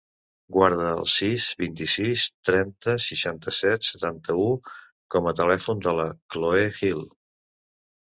Guarda el sis, vint-i-sis, trenta, seixanta-set, setanta-u com a telèfon de la Chloé Hill.